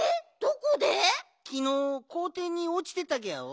きのうこうていにおちてたギャオ。